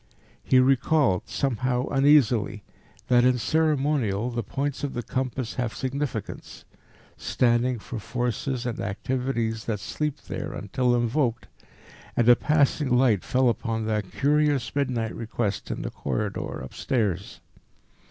He recalled, somehow uneasily, that in ceremonial the points of the compass have significance, standing for forces and activities that sleep there until invoked, and a passing light fell upon that curious midnight request in the corridor upstairs.